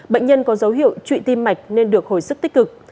bệnh nhân có dấu hiệu trụy tim mạch nên được hồi sức tích cực